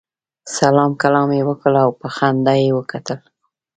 سلام کلام یې وکړ او په خندا یې وکتل.